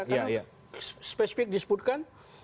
iya karena spesifik disebutkan